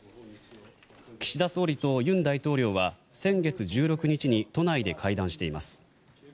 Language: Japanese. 岸田総理と尹大統領は先月１６日に都内で会談しています。